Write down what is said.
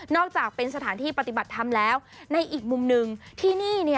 อกจากเป็นสถานที่ปฏิบัติธรรมแล้วในอีกมุมหนึ่งที่นี่